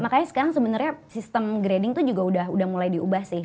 makanya sekarang sebenarnya sistem grading tuh juga udah mulai diubah sih